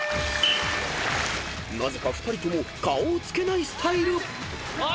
［なぜか２人とも顔をつけないスタイル］